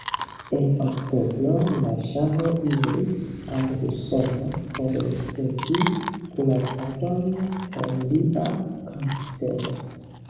En oktobro la ŝaho iris al Usono por ricevi kuracadon por lia kancero.